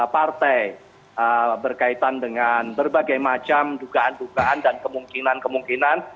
partai berkaitan dengan berbagai macam dugaan dugaan dan kemungkinan kemungkinan